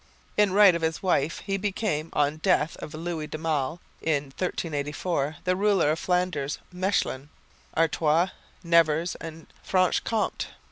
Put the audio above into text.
In right of his wife he became, on the death of Louis de Male in 1384, the ruler of Flanders, Mechlin, Artois, Nevers and Franche Comté.